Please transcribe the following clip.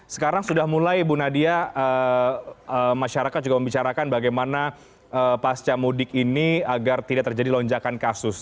sekarang sudah mulai bu nadia masyarakat juga membicarakan bagaimana pasca mudik ini agar tidak terjadi lonjakan kasus